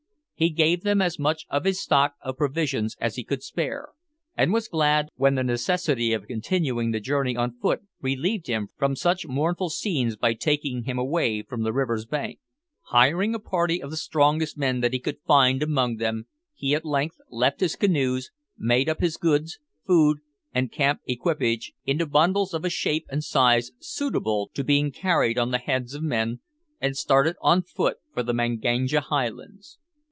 He gave them as much of his stock of provisions as he could spare, and was glad when the necessity of continuing the journey on foot relieved him from such mournful scenes by taking him away from the river's bank. Hiring a party of the strongest men that he could find among them, he at length left his canoes, made up his goods, food, and camp equipage into bundles of a shape and size suitable to being carried on the heads of men, and started on foot for the Manganja highlands.